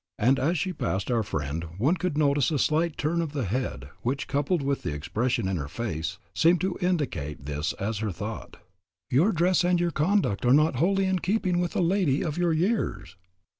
And as she passed our friend one could notice a slight turn of the head which, coupled with the expression in her face, seemed to indicate this as her thought, Your dress and your conduct are not wholly in keeping with a lady of your years.